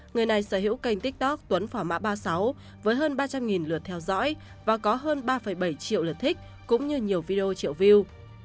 người này sở hữu kênh tiktok tuấn phỏ mã ba mươi sáu với hơn ba trăm linh lượt theo dõi và có hơn ba bảy triệu lượt thích cũng như nhiều video triệu view